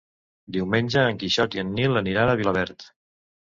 Diumenge en Quixot i en Nil aniran a Vilaverd.